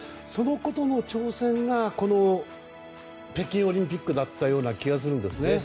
そのことの挑戦が北京オリンピックだったような気がするんですね。